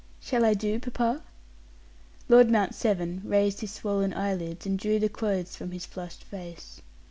"Shall I do, papa?" Lord Mount Severn raised his swollen eyelids and drew the clothes from his flushed face.